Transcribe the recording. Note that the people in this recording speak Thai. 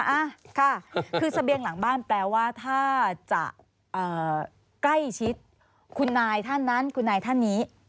อ่ะค่ะคือเสบียงหลังบ้านแปลว่าถ้าจะใกล้ชิดคุณนายท่านนั้นคุณนายท่านนี้